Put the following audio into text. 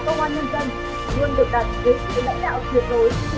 đó là những minh chứng chân thực